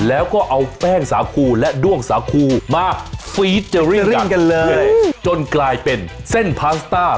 แล้วก็เอาแป้งสาคูและด้วงสาคูมามาเลยจนกลายเป็นเส้นพาสต้า